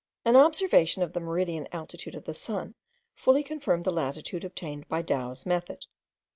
An observation of the meridian altitude of the sun fully confirmed the latitude obtained by Douwes's method.